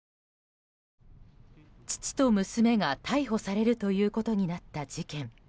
父と娘が逮捕されるということになった事件。